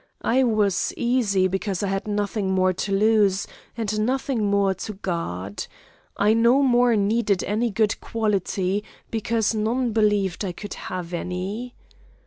I was easy because I had nothing more to lose, and nothing more to guard. I no more needed any good quality, because none believed I could have any.